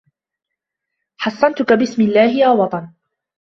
حَصَّنْتُكَ بِاسْمِ الله يَا وَطَنُ